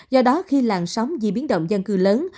do đó khi làn sóng di biến động dân cư lớn